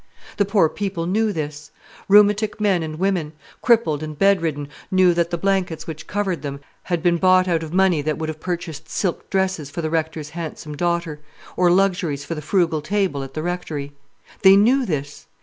The poor people knew this. Rheumatic men and women, crippled and bed ridden, knew that the blankets which covered them had been bought out of money that would have purchased silk dresses for the Rector's handsome daughter, or luxuries for the frugal table at the Rectory. They knew this.